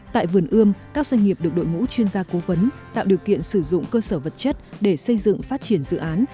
tại vườn ươm các doanh nghiệp được đội ngũ chuyên gia cố vấn tạo điều kiện sử dụng cơ sở vật chất để xây dựng phát triển dự án